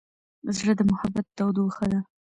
زړه د محبت تودوخه ده.